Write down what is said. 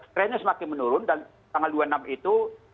trendnya semakin menurun dan tanggal dua puluh enam itu